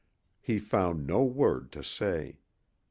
He found no word to say.